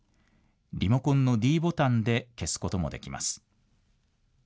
リモコンのｄボタンで消すこともできます。